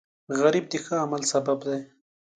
غریب د ښه عمل سبب دی